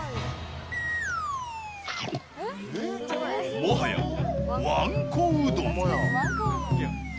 もはや、わんこうどん。